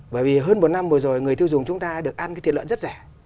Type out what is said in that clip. bởi vì hơn một năm vừa rồi người tiêu dùng chúng ta được ăn cái thịt lợn rất rẻ